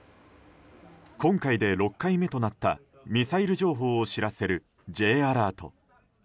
今回で６回目となったミサイル情報を知らせるＪアラート。